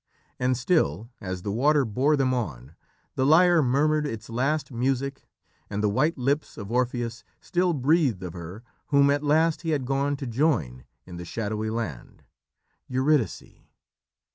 And still, as the water bore them on, the lyre murmured its last music and the white lips of Orpheus still breathed of her whom at last he had gone to join in the shadowy land, "Eurydice!